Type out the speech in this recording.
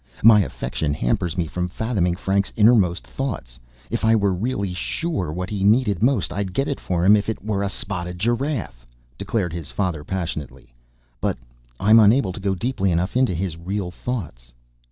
My affection hampers me from fathoming Frank's inner most thoughts. If I were really sure what he needed most, I'd get it for him if it were a spotted giraffe," declared his father passionately. "But I'm unable to go deeply enough into his real thoughts."